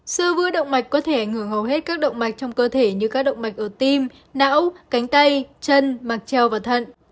sơ vư động mạch có thể ngửa ngầu hết các động mạch trong cơ thể như các động mạch ở tim não cánh tay chân mạch treo và thận